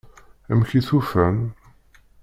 Amek i t-ufan?